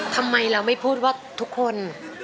ทำไมเราไม่พูดว่าทุกคน